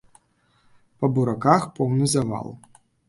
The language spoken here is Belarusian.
Па бураках поўны завал.